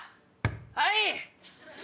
はい！